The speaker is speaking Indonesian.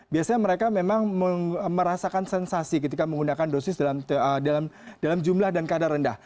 biasanya mereka memang merasakan sensasi ketika menggunakan dosis dalam jumlah dan kadar rendah